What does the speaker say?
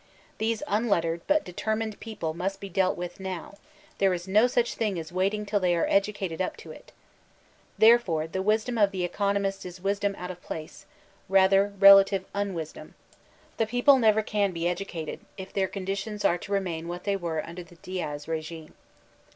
These unlettered, but determined, people must be dealt with now; there is no such thing as ''waiting till they are educated up to it" Therefore the wisdom of the economists is wisdom out of place — rather, rekUive umvisdom. The people never eon be educated, if their conditions are to remain what they were under the Diaz regime.